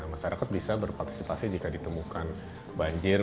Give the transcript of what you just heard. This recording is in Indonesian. masyarakat bisa berpartisipasi jika ditemukan banjir